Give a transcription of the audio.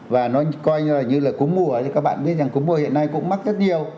và nó coi như là cúng mùa các bạn biết rằng cúng mùa hiện nay cũng mắc rất nhiều